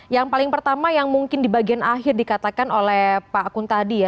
yang paling pertama yang mungkin di bagian akhir dikatakan oleh pak akun tadi ya